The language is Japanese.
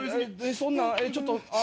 そんなちょっとああ。